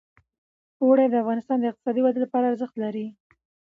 اوړي د افغانستان د اقتصادي ودې لپاره ارزښت لري.